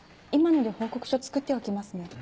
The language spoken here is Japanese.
今ので報告書作っておきますね。